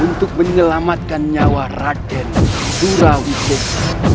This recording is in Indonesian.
untuk menyelamatkan nyawa ragen surawi bunga